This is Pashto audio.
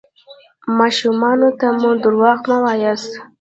ماشومانو ته مو درواغ مه وایاست.